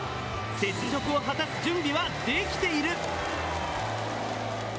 雪辱を果たす準備はできている！